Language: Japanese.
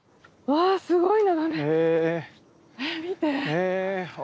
わあすごい。